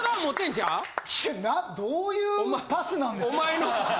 いやなどういうパスなんですか？